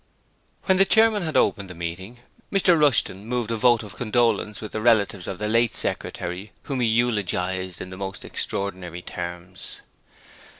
When the Chairman had opened the meeting, Mr Rushton moved a vote of condolence with the relatives of the late secretary whom he eulogized in the most extraordinary terms.